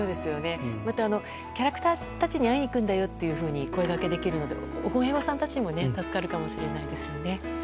またキャラクターたちに会いに行くんだよと声掛けできるのは親御さんたちにも助かるかもしれませんね。